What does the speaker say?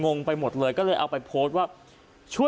งงไปหมดเลยก็เลยเอาไปโพสต์ว่า